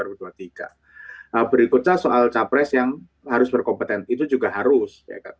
berikutnya soal capres yang harus berkompetensi itu juga harus